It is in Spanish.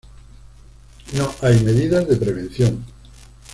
No hay medidas de prevención.